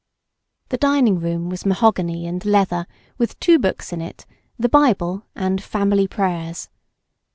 The dining room was mahogany and leather with two books in it, the Bible and Family Prayers.